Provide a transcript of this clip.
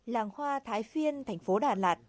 làng hoa thái phiên thành phố đà lạt